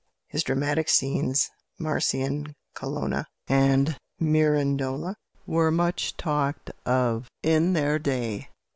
His "Dramatic Scenes," "Marcian Colonna," and "Mirandola" were much talked of in their day.